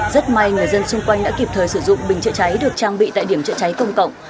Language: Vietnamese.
rất may người dân xung quanh đã kịp thời sử dụng bình chữa cháy được trang bị tại điểm chữa cháy công cộng